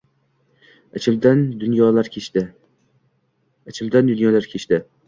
Ichimdan dunyolar kechdi